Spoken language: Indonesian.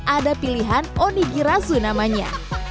ada pilihan onigirazu namanya